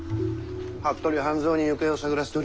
服部半蔵に行方を探らせております。